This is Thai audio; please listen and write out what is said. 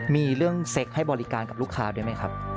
มีเรื่องเซ็กให้บริการกับลูกค้าด้วยไหมครับ